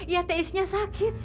ya teh iisnya sakit